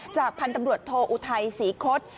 จากพันธุ์ตำรวจโทอุทัยศรีคศ